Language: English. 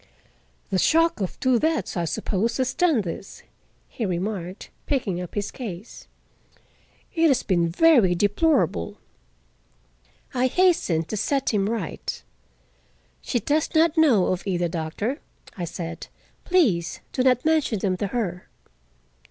"The shock of two deaths, I suppose, has done this," he remarked, picking up his case. "It has been very deplorable." I hastened to set him right. "She does not know of either, Doctor," I said. "Please do not mention them to her."